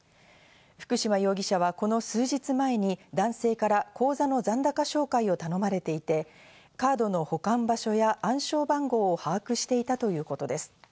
福島容疑者はこの数日前に男性から口座の残高照会を頼まれていて、カードの保管場所や暗証番号を把握していたということです。